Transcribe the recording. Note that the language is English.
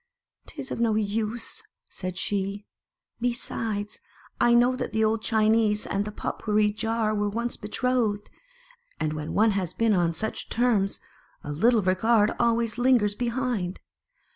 " 'Tis of no use," said she. " Besides, I know that the old Chinese and the Pot pourri Jar were once betrothed ; and when one has been once on such terms, a little regard always lingers behind.